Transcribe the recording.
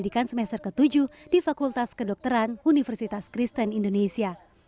ke dokteran universitas kristen indonesia